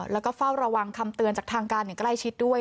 และก็เฝ้าระวังคำเตือนจากทางกล้ายชิดด้วย